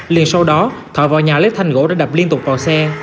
liền sau đó thọ vào nhà lấy thanh gỗ đã đập liên tục vào xe